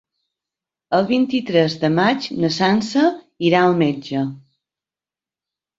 El vint-i-tres de maig na Sança irà al metge.